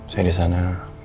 saya di sana